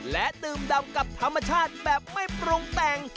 และดื่มดำกับธรรมชาติแบบไม่ปรุงแต่ง